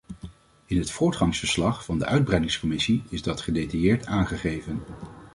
In het voortgangsverslag van de uitbreidingscommissie is dat gedetailleerd aangegeven.